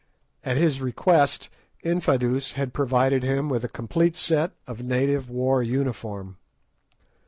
At his request Infadoos had provided him with a complete set of native war uniform.